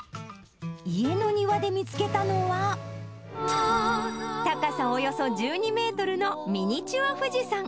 家の庭で見つけたのは、高さおよそ１２メートルのミニチュア富士山。